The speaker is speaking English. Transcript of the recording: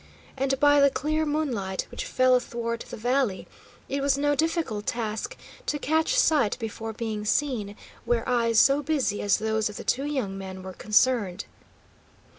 And by the clear moonlight which fell athwart the valley, it was no difficult task to catch sight before being seen, where eyes so busy as those of the two young men were concerned.